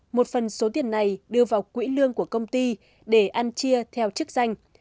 một phần số tiền này đưa vào quỹ lương của công ty để ăn chia theo chức danh